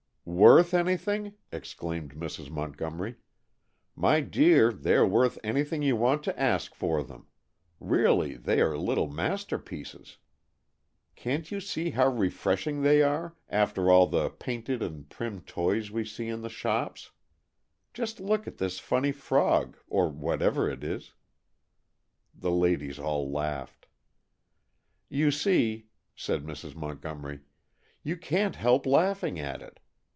"Worth anything?" exclaimed Mrs. Montgomery. "My dear, they are worth anything you want to ask for them. Really, they are little masterpieces. Can't you see how refreshing they are, after all the painted and prim toys we see in the shops? Just look at this funny frog, or whatever it is." The ladies all laughed. "You see," said Mrs. Montgomery, "you can't help laughing at it.